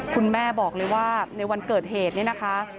คุณแม่บอกเลยว่าในวันเกิดเหตุเนี่ยนะคะ